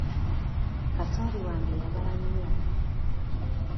Kasooli wange yabala nnyo.